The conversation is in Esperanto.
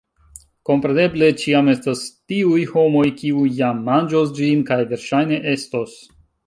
Kompreneble, ĉiam estas tiuj homoj kiuj ja manĝos ĝin kaj versaĵne estos